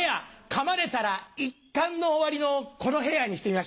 かまれたら一巻の終わりのこのヘアにしてみました。